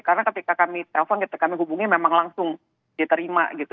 karena ketika kami telepon gitu kami hubungi memang langsung diterima gitu